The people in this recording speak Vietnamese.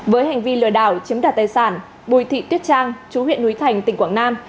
với hành vi lừa đảo chiếm đoạt tài sản bùi thị tuyết trang chú huyện núi thành tỉnh quảng nam